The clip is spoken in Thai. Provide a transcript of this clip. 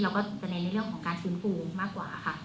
ก็จะเน้นในเรื่องของการฟื้นฟูมากกว่าค่ะ